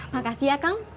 makasih ya kang